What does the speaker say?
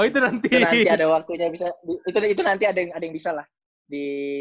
itu nanti ada waktunya itu nanti ada yang bisa lah di